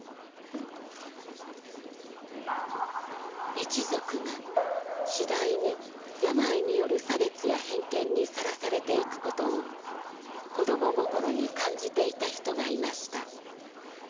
一族が次第に病による差別や偏見にさらされていくことを子供心に感じていた人がいました。